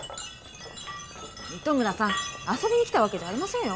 糸村さん遊びに来たわけじゃありませんよ。